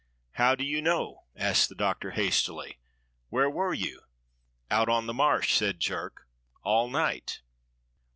"How do you know?" asked the Doctor hastily. "Where were you?" "Out on the Marsh," said Jerk, "all night."